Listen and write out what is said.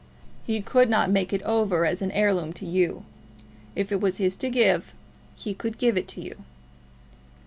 "He could not make it over as an heirloom to you. If it was his to give, he could give it you."